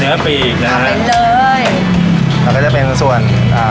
แล้วผมก็จะเป็นส่วน